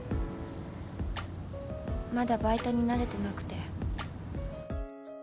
まだバイトに慣れてなくて。